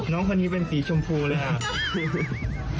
น้องคนนี้เป็นสีชมพูเลยครับ